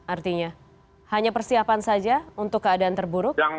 artinya hanya persiapan saja untuk keadaan terburuk